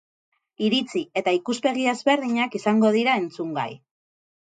Iritzi eta ikuspegi ezberdinak izango dira entzungai.